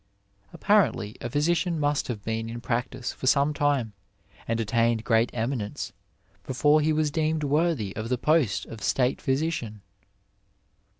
' Apparently a physician must have been in practice for some time and attained great eminence before he was deemecl worthy of the post of State physician.